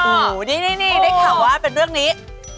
โหนี่ครับว่าเป็นเรื่องนี้